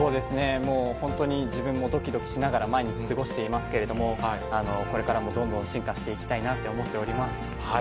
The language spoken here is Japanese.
もう本当に自分もどきどきしながら、毎日過ごしていますけれども、これからもどんどん進化していきたいなと思っております。